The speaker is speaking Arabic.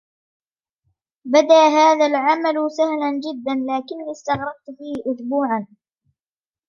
بدى ذلك العمل سهلا جدا ، لكني استغرقت فيه أسبوعا.